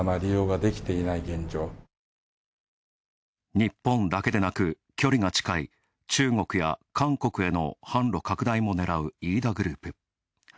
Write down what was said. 日本だけでなく、距離が近い、中国や韓国への販路拡大も狙う飯田グループ。